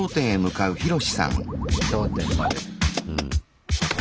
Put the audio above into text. うん。